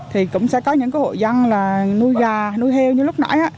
thì cũng sẽ có những cái hội dân là nuôi gà nuôi heo như lúc nãy á